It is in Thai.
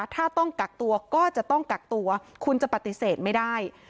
ถ้าต้องกักตัวก็จะต้องกักตัวคุณจะปฏิเสธไม่ได้